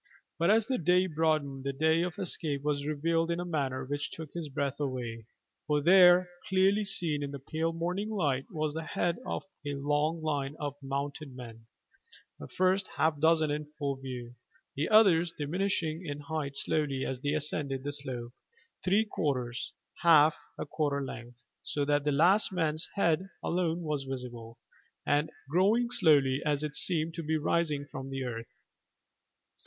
But as the day broadened the way of escape was revealed in a manner which took his breath away, for there, clearly seen in the pale morning light, was the head of a long line of mounted men, the first half dozen in full view, the others diminishing in height slowly as they ascended the slope, three quarters, half, a quarter length, so that the last man's head alone was visible, and growing slowly as it seemed to be rising from the earth.